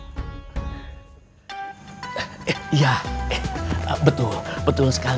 jika kita tidak bisa dengan masalah